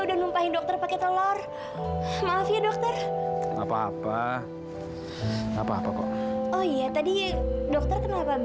duduk dulu dokter